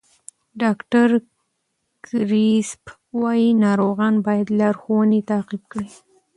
ډاکټر کریسپ وایي ناروغان باید لارښوونې تعقیب کړي.